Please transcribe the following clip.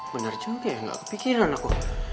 bener juga gak kepikiran aku